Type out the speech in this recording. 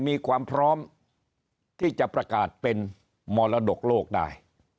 มีความพร้อมที่จะประกาศเป็นมรดกโลกได้